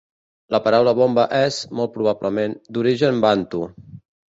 La paraula bomba és, molt probablement, d'origen bantu.